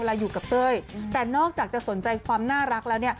เวลาอยู่กับเต้ยแต่นอกจากจะสนใจความน่ารักแล้วเนี่ย